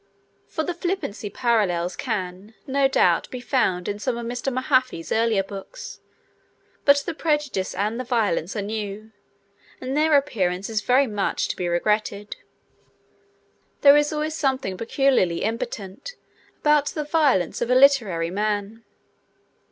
For the flippancy parallels can, no doubt, be found in some of Mr. Mahaffy's earlier books, but the prejudice and the violence are new, and their appearance is very much to be regretted. There is always something peculiarly impotent about the violence of a literary man.